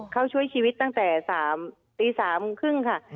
เขาช่วยชีวิตตั้งแต่ตี๓๓๐ค่ะ